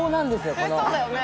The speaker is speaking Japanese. このそうだよね